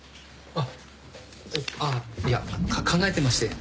ああいや考えてまして。